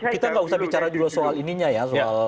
kita nggak usah bicara juga soal ininya ya